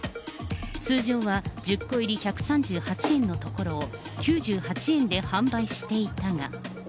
通常は１０個入り１３８円のところを９８円で販売していたが。